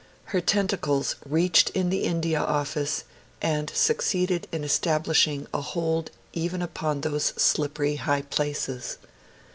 Her tentacles reached the India Office and succeeded in establishing a hold even upon those slippery high places.